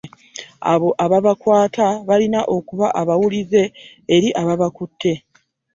Abo ababakwata balina okuba abawulize eri ababakutte